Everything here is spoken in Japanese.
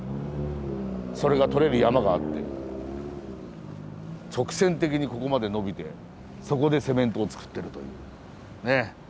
それが採れる山があって直線的にここまで延びてそこでセメントを作ってるというね。